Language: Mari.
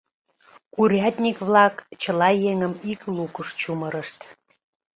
Урядник-влак чыла еҥым ик лукыш чумырышт.